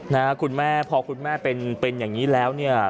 นะฮะคุณแม่พอคุณแม่เป็นเป็นอย่างนี้แล้วเนี่ย